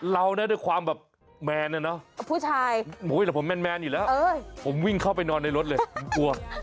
เราน่าจะความแมนอ่ะเนาะอุ้ยหลักผมมันแมนอีกแล้วผมวิ่งเข้าไปนอนในรถเลยอ่ะกลัว